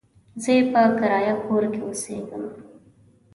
زه يې په کرايه کور کې اوسېږم.